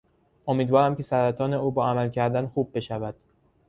امیدوارم که سرطان او با عمل کردن خوب بشود.